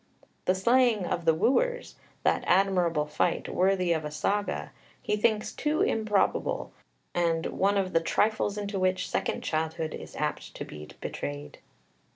The Slaying of the Wooers, that admirable fight, worthy of a saga, he thinks too improbable, and one of the "trifles into which second childhood is apt to be betrayed."